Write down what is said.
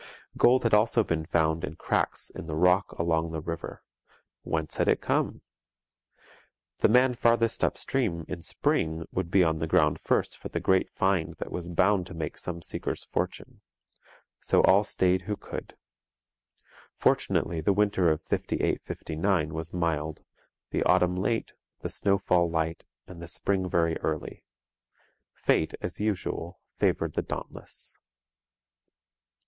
Gold had also been found in cracks in the rock along the river. Whence had it come? The man farthest upstream in spring would be on the ground first for the great find that was bound to make some seeker's fortune. So all stayed who could. Fortunately, the winter of '58 '59 was mild, the autumn late, the snowfall light, and the spring very early. Fate, as usual, favoured the dauntless.